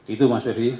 itu mas bebri